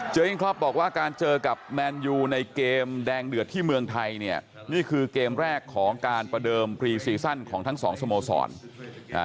อินคล็อปบอกว่าการเจอกับแมนยูในเกมแดงเดือดที่เมืองไทยเนี่ยนี่คือเกมแรกของการประเดิมพรีซีซั่นของทั้งสองสโมสรอ่า